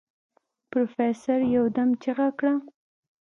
پروفيسر يودم چيغه کړه.